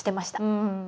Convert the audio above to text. うん。